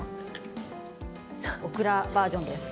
オクラバージョンです。